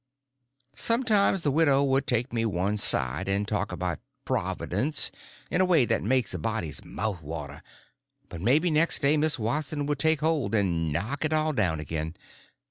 Sometimes the widow would take me one side and talk about Providence in a way to make a body's mouth water; but maybe next day Miss Watson would take hold and knock it all down again.